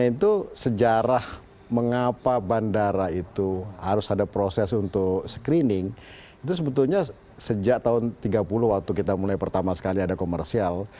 nah itu sejarah mengapa bandara itu harus ada proses untuk screening itu sebetulnya sejak tahun tiga puluh waktu kita mulai pertama sekali ada komersial